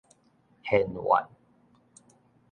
軒轅